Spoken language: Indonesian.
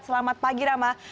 selamat pagi rama